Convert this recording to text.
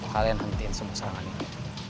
kalian hentiin semua serangan itu